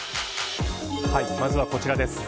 まずはこちらです。